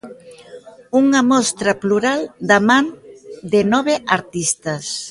Unha mostra plural da man de nove artistas.